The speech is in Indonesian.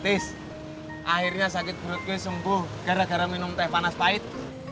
tis akhirnya sakit perut gue sembuh gara gara minum teh panas pahit